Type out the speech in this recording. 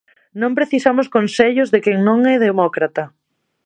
Non precisamos consellos de quen non é demócrata.